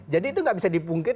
jadi itu gak bisa dipungkit